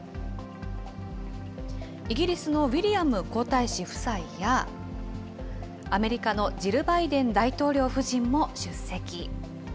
イギリスのウィリアム皇太子夫妻や、アメリカのジル・バイデン大統領夫人も出席。